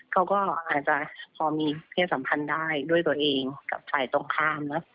เขาก็อาจจะพอมีเพศสัมพันธ์ได้ด้วยตัวเองกับฝ่ายตรงข้ามเนอะ